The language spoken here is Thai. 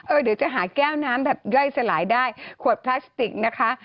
เดี๋ยวจะหาแก้วน้ำแบบย่อยสลายได้ขวดพลาสติกนะคะ